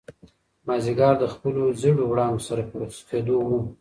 مازیګر د خپلو ژېړو وړانګو سره په رخصتېدو و.